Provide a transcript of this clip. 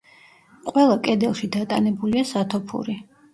ყველა კედელში დატანებულია სათოფური.